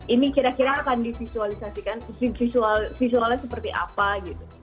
ini kira kira akan divisualisasikan visual visualnya seperti apa gitu